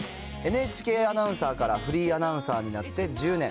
ＮＨＫアナウンサーからフリーアナウンサーになって１０年。